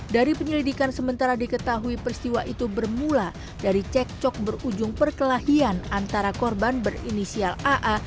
dari penyelidikan sementara diketahui peristiwa itu bermula dari cek cok berujung perkelahian antara korban berinisial aa